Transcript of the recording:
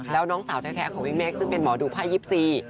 แล้วน้องสาวแท้ของพี่เมฆซึ่งเป็นหมอดูไพ่๒๔